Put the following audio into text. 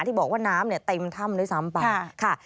ที่บอกว่าน้ำเต็มถ้ำด้วยซ้ำไปค่ะ